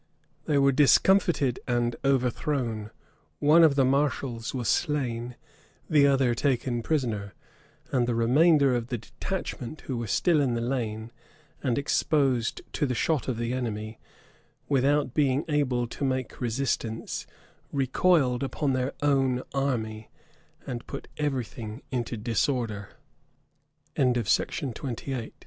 They were discomfited and overthrown: one of the mareschals was slain; the other taken prisoner: and the remainder of the detachment, who were still in the lane, and exposed to the shot of the enemy, without being able to make resistance, recoiled upon their own army, and put every thing into disor